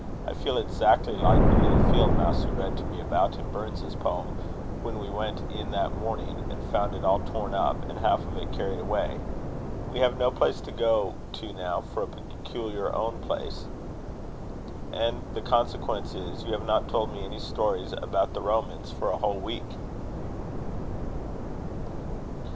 "I felt exactly like the little field mouse you read to me about in Burns's poems, when we went in that morning, and found it all torn up, and half of it carried away. We have no place to go to now for a peculiar own place; and the consequence is, you have not told me any stories about the Romans for a whole week."